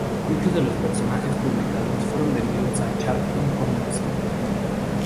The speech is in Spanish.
Muchos de los personajes publicados fueron vendidos a Charlton Comics.